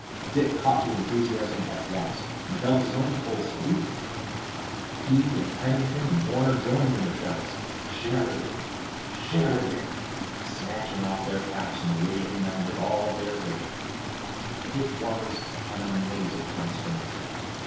Dick caught the enthusiasm at once, and felt his own pulses leaping. He and Pennington and Warner joined in the shouts: "Sheridan! Sheridan!" and snatching off their caps waved them with all their vigor. It was an amazing transformation.